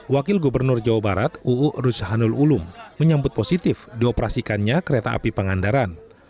wakil gubernur jawa barat uu rushanul ulum menyambut positif dioperasikannya kereta api pangandaran